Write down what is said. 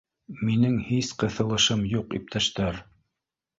— Минең һис ҡыҫылышым юҡ, иптәштәр